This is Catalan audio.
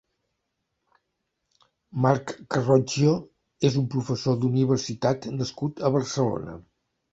Marc Carroggio és un professor d'universitat nascut a Barcelona.